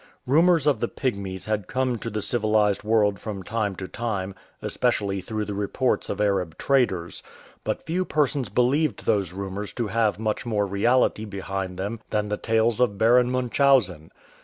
Rumours of the Pygmies had come to the civilized world from time to time, especially through the reports of Arab traders ; but few persons believed those rumours to have much more reality behind them than the tales of Baron Munchausen.